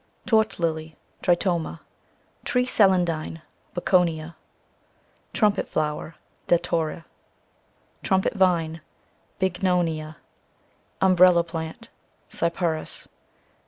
Torch Lily, cc Tritoma. Tree Celandine, cc Bocconia. Trumpet Flower, CI Datura. Trumpet Vine, cc Bignonia. Umbrella Plant, cc Cyperus.